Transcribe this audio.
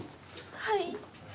はい。